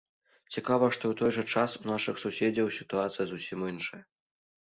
Цікава, што ў той жа час у нашых суседзяў сітуацыя зусім іншая.